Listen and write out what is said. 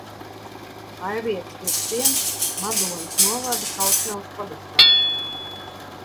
Aiviekste ir ciems Madonas novada Kalsnavas pagastā.